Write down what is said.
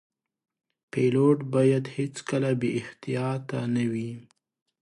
پیلوټ باید هیڅکله بې احتیاطه نه وي.